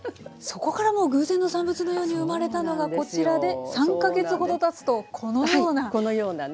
そこからもう偶然の産物のように生まれたのがこちらで３か月ほどたつとこのような。